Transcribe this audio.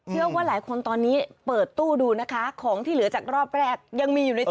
ว่าหลายคนตอนนี้เปิดตู้ดูนะคะของที่เหลือจากรอบแรกยังมีอยู่ในตัว